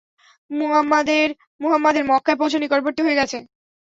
মুহাম্মাদের মক্কায় পৌঁছা নিকটবর্তী হয়ে গেছে।